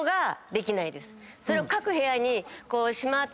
それを各部屋に。